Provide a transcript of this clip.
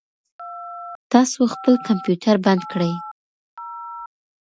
تاسو خپل کمپیوټر بند کړئ.